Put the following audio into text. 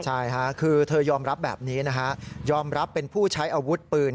ใช่ค่ะคือเธอยอมรับแบบนี้นะฮะยอมรับเป็นผู้ใช้อาวุธปืน